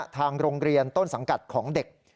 ทางโรงเรียนต้นสังกัดของเด็ก